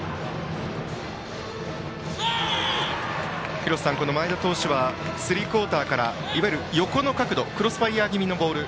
廣瀬さん、この前田投手はスリークオーターからいわゆる横の角度クロスファイアー気味のボール。